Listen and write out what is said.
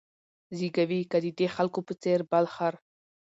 زېږوې که د دې خلکو په څېر بل خر